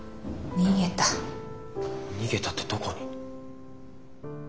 逃げたってどこに？